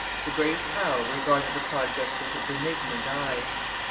The great Howe regarded the project with a benignant eye.